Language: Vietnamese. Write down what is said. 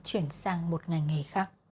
chuyển sang một ngày nghề khác